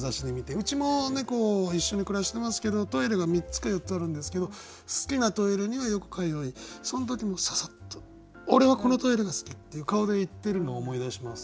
うちも猫一緒に暮らしてますけどトイレが３つか４つあるんですけど好きなトイレにはよく通いその時もササッと「俺はこのトイレが好き」っていう顔で行ってるのを思い出します。